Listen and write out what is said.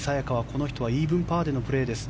この人はイーブンパーでのプレーです。